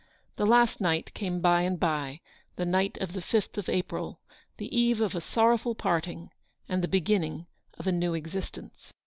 The last night came by and by, the night of the 5th of April, the eve of a sorrowful parting, and the beginning of a new existence.